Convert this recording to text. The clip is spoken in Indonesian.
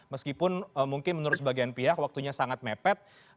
meskipun mungkin menurut sebagian pihak waktunya sangat mepet